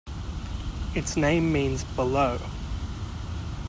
Its name means "below".